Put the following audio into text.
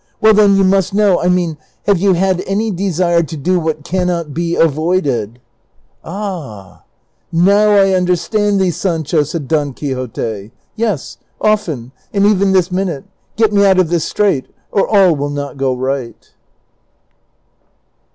Well then, you must know I mean have you had any desire to do what can not be avoided ?"*' Ah ! now I understand thee, Sancho," said Don Quixote ;" yes, often, and even this minute ; get me out of this strait, or all will not go right."